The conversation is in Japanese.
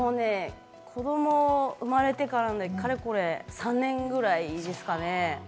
子ども生まれてからなので、かれこれ３年ぐらいですかね。